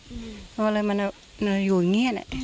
เพราะว่าเลยมันอยู่เงียน